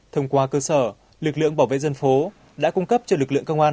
thông qua cơ sở lực lượng bảo vệ dân phố đã cung cấp cho lực lượng công an